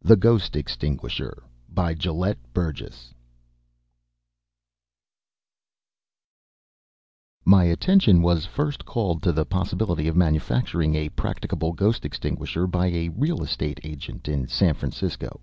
The Ghost Extinguisher BY GELETT BURGESS My attention was first called to the possibility of manufacturing a practicable ghost extinguisher by a real estate agent in San Francisco.